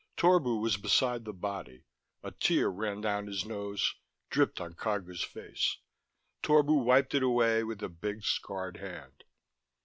Torbu was beside the body. A tear ran down his nose, dripped on Cagu's face. Torbu wiped it away with a big scarred hand.